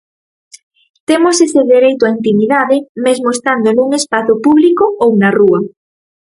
Temos ese dereito á intimidade mesmo estando nun espazo público ou na rúa.